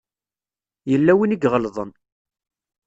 Yella win i iɣelḍen.